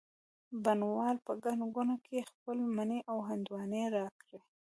بڼ وال په ګڼه ګوڼه کي خپلې مڼې او هندواڼې را کړې